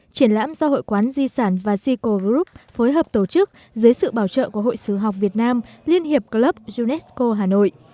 triển lãm do hội quán di sản và sico group phối hợp tổ chức dưới sự bảo trợ của hội sử học việt nam liên hiệp club unesco hà nội